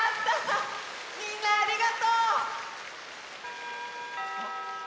みんなありがとう。